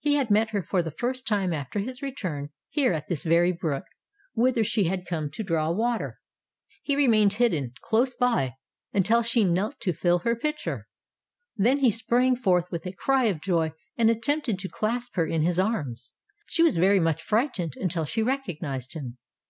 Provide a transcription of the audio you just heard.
He had met her for the first time after his return, here at this very brook, whither she had come to draw water. He remained hidden Tales of Modern Germany 123 close by, until she knelt to fill her pitcher. Then he sprang forth with a cry of joy, and attempted to clasp her in his arms. She was very much frightened, until she recognized him.